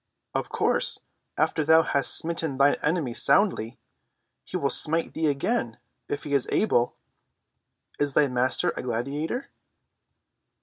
"Of course, after thou hast smitten thine enemy soundly, he will smite thee again, if he is able. Is thy Master a gladiator?"